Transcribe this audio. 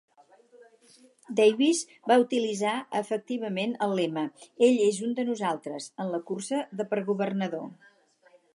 Davis va utilitzar efectivament el lema "ell és un de nosaltres" en la cursa de per governador.